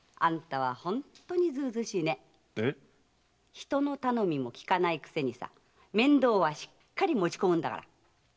人の頼みもきかないくせに面倒はしっかり持ち込んでさ。